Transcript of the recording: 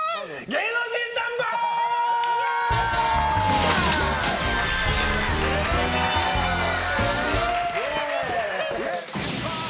芸能人ナンバーズ！